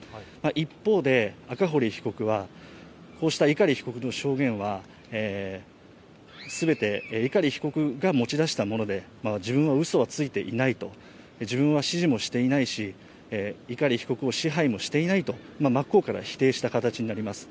一方で、赤堀被告はこうした碇被告の証言は全て碇被告が持ち出したもので自分はうそをついてないと、自分は指示もしていないし、碇被告を指示もしていないと真っ向から否定した形になります。